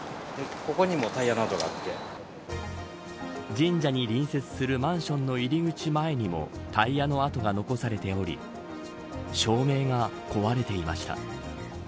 神社に隣接するマンションの入り口前にもタイヤの跡が残されており照明が壊れていました。